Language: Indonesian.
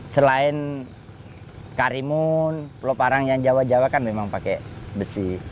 selain karimun pulau parang yang jawa jawa kan memang pakai besi